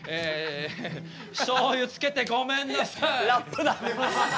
しょうゆつけてごめんなさいラップだ！